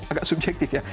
agak subjektif ya